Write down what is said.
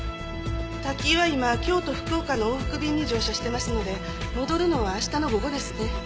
滝井は今京都福岡の往復便に乗車してますので戻るのは明日の午後ですね。